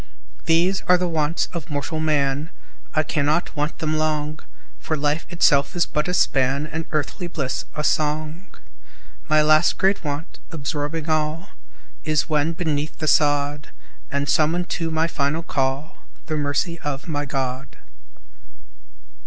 These are the Wants of mortal Man, I cannot want them long, For life itself is but a span, And earthly bliss a song. My last great Want absorbing all Is, when beneath the sod, And summoned to my final call, The Mercy of my God.